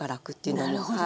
なるほど！